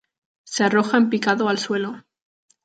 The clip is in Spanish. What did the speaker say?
Se arroja en picado al suelo.